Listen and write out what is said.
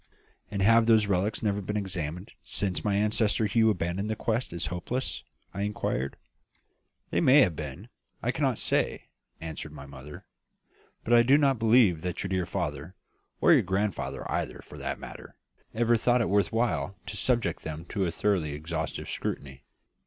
"And have those relics never been examined since my ancestor Hugh abandoned the quest as hopeless?" I inquired. "They may have been; I cannot say," answered my mother. "But I do not believe that your dear father or your grandfather either, for that matter ever thought it worth while to subject them to a thoroughly exhaustive scrutiny.